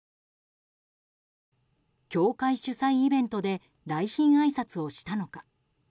教会主催イベントで来賓あいさつをしたのか。